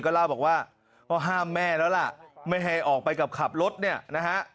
เล่าบอกว่าก็ห้ามแม่แล้วล่ะไม่ให้ออกไปกับขับรถเนี่ยนะฮะ